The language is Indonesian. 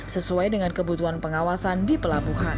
sesuai dengan kebutuhan pengawasan di pelabuhan